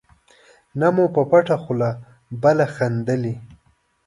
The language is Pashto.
نه مو په پټه خوله بله خندلي.